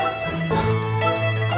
akan dulu pak